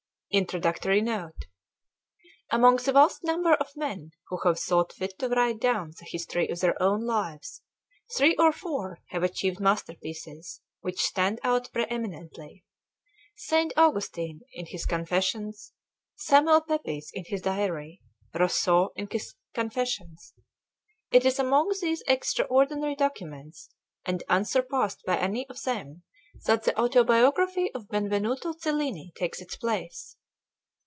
Introductory Note AMONG the vast number of men who have thought fit to write down the history of their own lives, three or four have achieved masterpieces which stand out preeminently: Saint Augustine in his "Confessions," Samuel Pepys in his "Diary," Rousseau in his "Confessions." It is among these extraordinary documents, and unsurpassed by any of them, that the autobiography of Benvenuto Cellini takes its place.